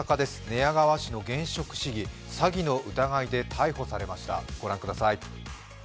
寝屋川市の現職市議、詐欺の疑いで逮捕されました。